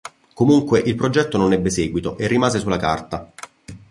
Comunque, il progetto non ebbe seguito e rimase sulla carta.